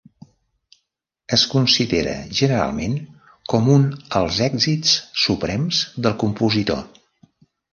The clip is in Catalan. Es considera generalment com un els èxits suprems del compositor.